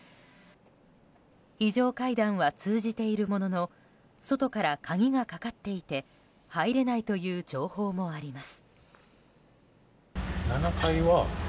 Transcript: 非常階段は通じているものの外から鍵がかかっていて入れないという情報もあります。